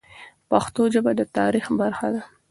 پښتو ژبه د تاریخ برخه ده.